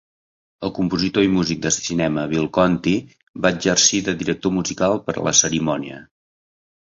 El compositor i músic de cinema Bill Conti va exercir de director musical per a la cerimònia.